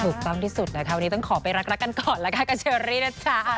ถูกต้องที่สุดนะคะวันนี้ต้องขอไปรักกันก่อนแล้วกันกับเชอรี่นะจ๊ะ